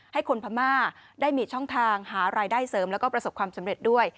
ให้คนพม่าได้มีช่องทางหารายได้เสริมแล้วก็ประสบความสำเร็จด้วย